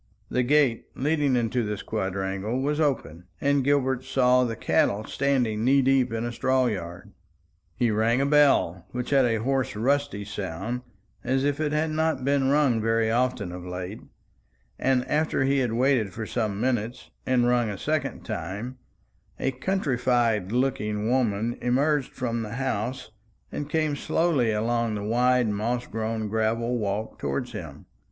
The gate leading into this quadrangle was open, and Gilbert saw the cattle standing knee deep in a straw yard. He rang a bell, which had a hoarse rusty sound, as if it had not been rung very often of late; and after he had waited for some minutes, and rung a second time, a countrified looking woman emerged from the house, and came slowly along the wide moss grown gravel walk towards him.